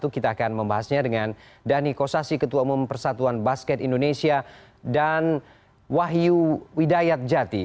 kita akan membahasnya dengan dhani kosasi ketua umum persatuan basket indonesia dan wahyu widayat jati